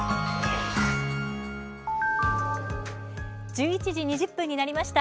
１１時２０分になりました。